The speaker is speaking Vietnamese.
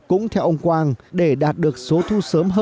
cũng theo ông quang để đạt được số thu sớm hơn